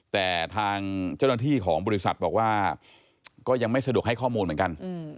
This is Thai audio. แต่ทางเจ้าหน้าที่ของบริษัทบอกว่าก็ยังไม่สะดวกให้ข้อมูลเหมือนกัน